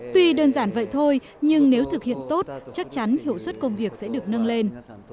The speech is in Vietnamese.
tuy đơn giản vậy thôi nhưng nếu thực hiện tốt chắc chắn hiệu suất công việc sẽ được nâng lên